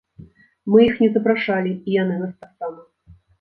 Мы іх не запрашалі, і яны нас таксама.